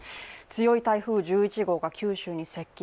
強い台風１１号が九州に接近。